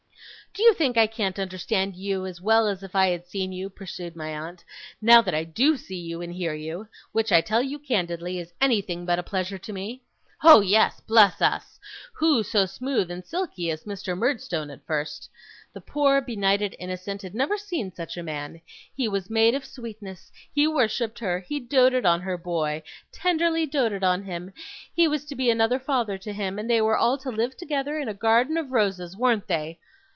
'Do you think I can't understand you as well as if I had seen you,' pursued my aunt, 'now that I DO see and hear you which, I tell you candidly, is anything but a pleasure to me? Oh yes, bless us! who so smooth and silky as Mr. Murdstone at first! The poor, benighted innocent had never seen such a man. He was made of sweetness. He worshipped her. He doted on her boy tenderly doted on him! He was to be another father to him, and they were all to live together in a garden of roses, weren't they?